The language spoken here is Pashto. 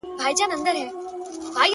ځوان لگيا دی.